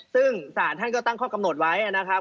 ซึ่งศาลท่านก็ตั้งข้อกำหนดไว้นะครับ